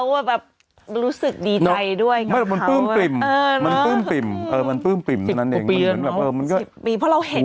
ไปง่วงลองแล้วรู้สึกดีใจด้วย